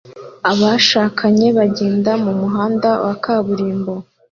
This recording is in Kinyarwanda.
Abashakanye bagenda mu muhanda wa kaburimbo